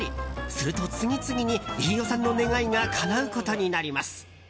すると、次々に飯尾さんの願いがかなうことになります。